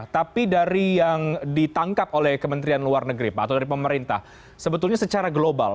tapi dari yang ditangkap oleh kementerian luar negeri pak atau dari pemerintah sebetulnya secara global